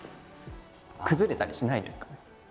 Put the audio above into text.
崩れたりしないですか？